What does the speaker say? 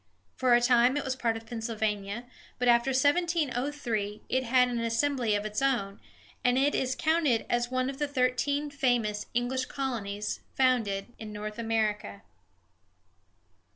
For a time it was part of Pennsylvania; but after 1703 it had an assembly of its own, and it is counted as one of the thirteen famous English colonies founded in North America.